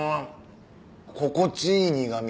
心地いい苦味。